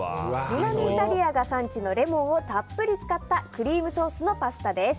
南イタリアが産地のレモンをたっぷり使ったクリームソースのパスタです。